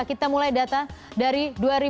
kita mulai data dari dua ribu enam belas